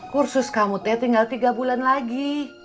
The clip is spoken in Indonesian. kursus kamu teh tinggal tiga bulan lagi